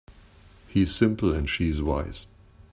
He's simple and she's wise.